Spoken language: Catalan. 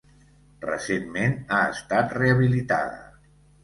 Recentment ha estat rehabilitada.